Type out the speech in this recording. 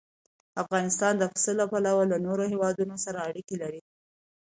افغانستان د پسه له پلوه له نورو هېوادونو سره اړیکې لري.